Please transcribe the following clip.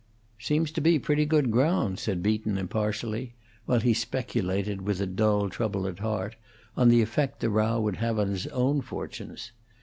"Seems to be pretty good ground," said Beaton, impartially, while he speculated, with a dull trouble at heart, on the effect the row would have on his own fortunes.